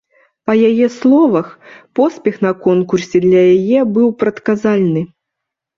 Па яе словах, поспех на конкурсе для яе быў прадказальны.